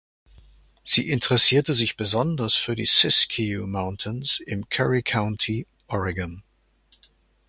Sie interessierte sich besonders für die Siskiyou Mountains im Curry County (Oregon).